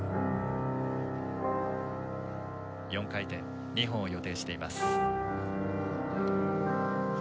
４回転２本を予定しています。